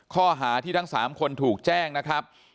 ข้อหาที่ทั้ง๓คนถูกแจ้งนะครับ